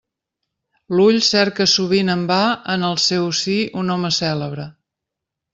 L'ull cerca sovint en va en el seu si un home cèlebre.